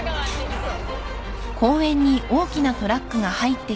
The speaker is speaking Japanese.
そう。